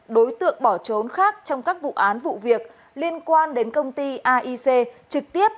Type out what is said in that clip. đối tượng bỏ trốn khác trong các vụ án vụ việc liên quan đến công ty aic trực tiếp